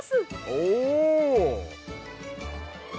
おお！